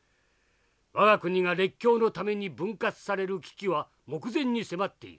我が国が列強のために分割される危機は目前に迫っている。